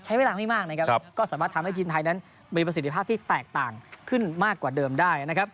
ใช้เวลาไม่มากก็สามารถทำให้ทีมไทยมีประสิทธิภาพที่แตกต่างขึ้นมากกว่าเดิมได้